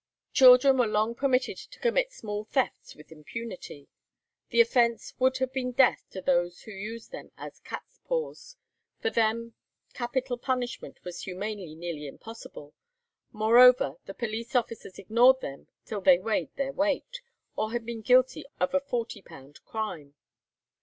Children were long permitted to commit small thefts with impunity. The offence would have been death to those who used them as catspaws; for them capital punishment was humanely nearly impossible; moreover, the police officers ignored them till they "weighed their weight," or had been guilty of a forty pound crime.